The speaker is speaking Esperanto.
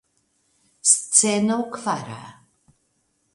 Sceno kvara.